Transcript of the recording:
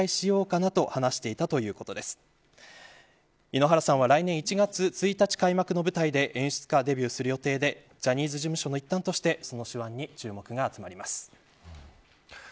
井ノ原さんは来年１月１日開幕の舞台で演出家デビューする予定でジャニーズ事務所の一端として、その手腕に注目が集まります。